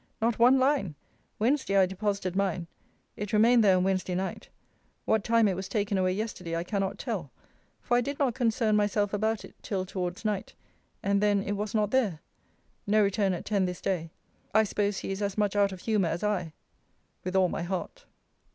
Not one line! Wednesday I deposited mine. It remained there on Wednesday night. What time it was taken away yesterday I cannot tell: for I did not concern myself about it, till towards night; and then it was not there. No return at ten this day. I suppose he is as much out of humour as I. With all my heart.